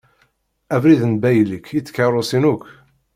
Abrid n baylek i tkerrusin akk.